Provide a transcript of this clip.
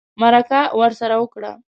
مرکه ورسره وکړه